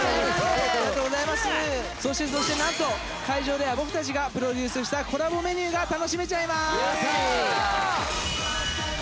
そしてそしてなんと会場では僕たちがプロデュースしたコラボメニューが楽しめちゃいます！